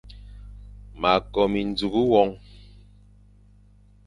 Ma ko minzùkh won.